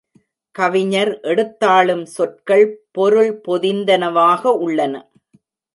கவிஞர் எடுத்தாளும் சொற்கள் பொருள் பொதிந்தன வாக உள்ளன.